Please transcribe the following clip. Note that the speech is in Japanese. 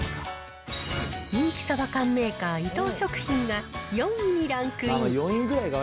人気サバ缶メーカー、伊藤食品が、４位にランクイン。